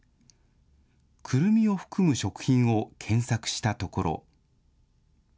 くるみを含む食品を検索したところ。